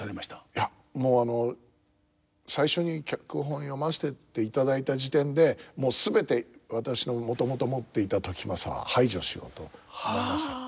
いやもう最初に脚本を読ませていただいた時点でもう全て私のもともと持っていた時政は排除しようと思いました。